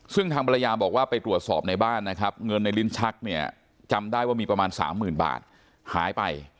ซึ่งทางภรรยาบอกว่าไปตรวจสอบในบ้านนะครับเงินในลิ้นชักเนี่ยจำได้ว่ามีประมาณสามหมื่นบาทหายไป